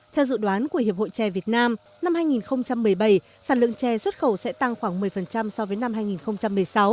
theo dự đoán của hiệp hội trè việt nam năm hai nghìn một mươi bảy sản lượng chè xuất khẩu sẽ tăng khoảng một mươi so với năm hai nghìn một mươi sáu